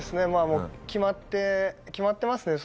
もう決まって決まってますね。